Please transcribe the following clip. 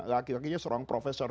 laki lakinya seorang profesor